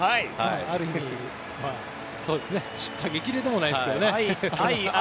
ある意味叱咤激励でもないですけどね。